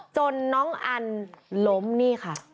จนน้องอันล้มนี่ค่ะ